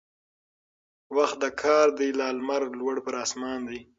وخت د كار دى چي لا لمر لوړ پر آسمان دى